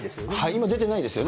今出てないですよね。